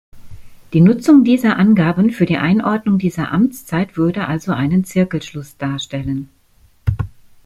Die Nutzung dieser Angaben für die Einordnung dieser Amtszeit würde also einen Zirkelschluss darstellen.